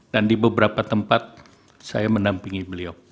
dan di beberapa tempat saya menampingi beliau